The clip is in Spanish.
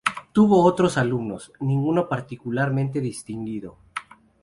Tuvo otros alumnos, ninguno particularmente distinguido.